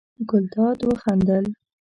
ګلداد وخندل.